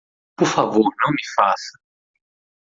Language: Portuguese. Por favor não me faça.